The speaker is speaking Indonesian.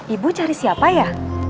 ibu cari siapa ya